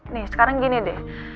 nih sekarang gini deh